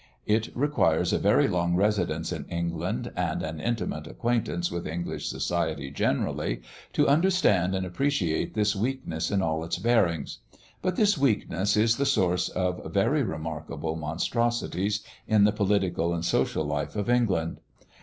It requires a very long residence in England and an intimate acquaintance with English society generally to understand and appreciate this weakness in all its bearings. But this weakness is the source of very remarkable monstrosities in the political and social life of England.